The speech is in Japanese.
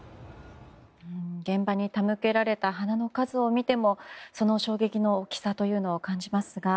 現場に手向けられた花の数を見てもその衝撃の大きさというのを感じますが。